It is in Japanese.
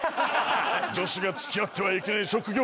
女子が付き合ってはいけない職業